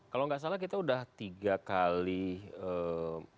kalau nggak salah kita udah tiga kali pemilihan langsung